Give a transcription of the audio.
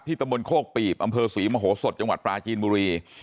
ตำบลโคกปีบอำเภอศรีมโหสดจังหวัดปลาจีนบุรี